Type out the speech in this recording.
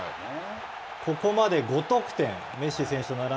ここまで５得点。